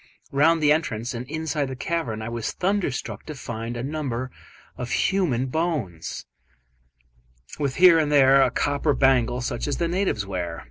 Round the entrance and inside the cavern I was thunderstruck to find a number of human bones, with here and there a copper bangle such as the natives wear.